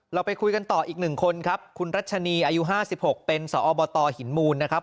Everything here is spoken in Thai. เราไปคุยกันต่ออีก๑คนครับคุณรัชนีอายุ๕๖เป็นสอบตหินมูลนะครับ